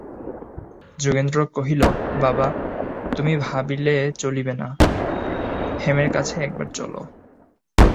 যোগেন্দ্র কহিল, বাবা, তুমি ভাবিলে চলিবে না, হেমের কাছে একবার চলো।